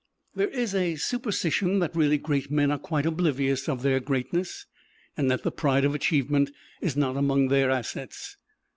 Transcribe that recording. There is a superstition that really great men are quite oblivious of their greatness, and that the pride of achievement is not among their assets.